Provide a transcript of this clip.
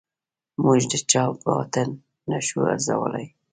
موږ د چا باطن نه شو ارزولای.